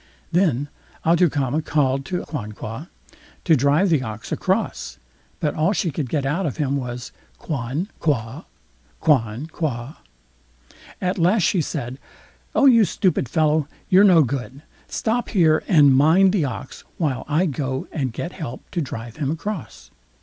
Then Atoukama called to Quanqua to drive the ox across, but all she could get out of him was, "QUAN? QUA? Quan? qua?" At last she said, "Oh! you stupid fellow, you're no good; stop here and mind the ox while I go and get help to drive him across."